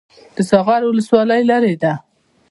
د ساغر ولسوالۍ لیرې ده